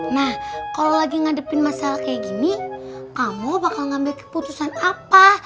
nah kalau lagi ngadepin masalah kayak gini kamu bakal ngambil keputusan apa